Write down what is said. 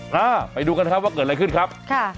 ฮะไปดูกันครับว่าเกิดอะไรขึ้นครับค่ะ